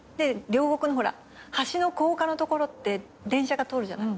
両国の橋の高架の所って電車が通るじゃない。